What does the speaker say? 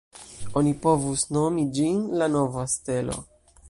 Oni povus nomi ĝin la “Nova Stelo”.